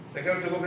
sekian cukup ya